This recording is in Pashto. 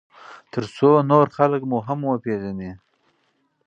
ترڅو نور خلک مو هم وپیژني.